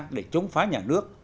để chống phá nhà nước